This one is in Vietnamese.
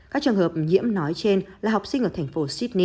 các trường hợp nhiễm nói trên là học sinh ở thành phố sydney